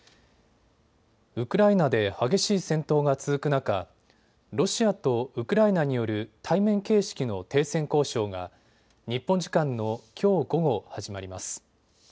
ウクライナで激しい戦闘が続く中、ロシアとウクライナによる対面形式の停戦交渉が日本時間のきょう午後、始まります。